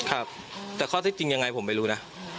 ครับแต่ข้อเท็จจริงยังไงผมไม่รู้นะ